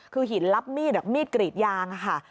คือหินรับมีดมีดกรีดยางค่ะ